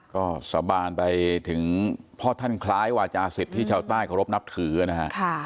ก็สาบานไปถึงพ่อท่านคล้ายวาจาศิษย์ที่ชาวใต้เคารพนับถือนะฮะ